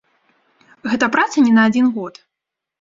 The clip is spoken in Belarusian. Гэта праца не на адзін год.